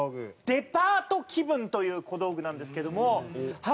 デパート気分という小道具なんですけども。